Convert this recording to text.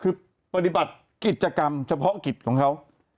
คือปฏิบัติกิจกรรมเฉพาะกิจของเขา